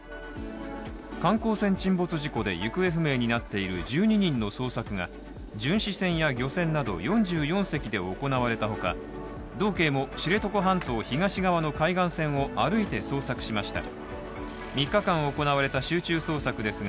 観光船沈没事故で行方不明になっている１２人の捜索が巡視船や漁船など４４隻で行われたほか道警も、知床半島東側の海岸線を歩いて捜索しました。